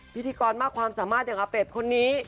พิธีกรมากความสามารถอย่างอาเป็ดคนนี้